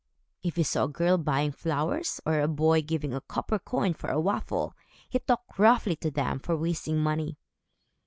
If he saw a girl buying flowers, or a boy giving a copper coin for a waffle, he talked roughly to them for wasting money.